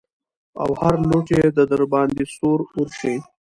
او هر لوټ يې د درباندې سور اور شي.